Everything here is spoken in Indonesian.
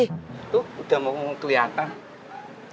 itu udah mau tuliakan